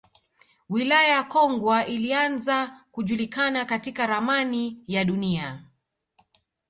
Wilaya ya Kongwa ilianza kujulikana katika ramani ya Dunia